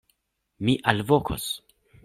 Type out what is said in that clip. Mi alvokos!